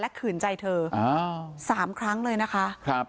และขื่นใจเธอ๓ครั้งเลยนะคะ